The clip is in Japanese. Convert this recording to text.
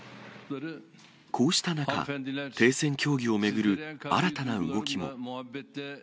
こうした中、停戦協議を巡る新たな動きも。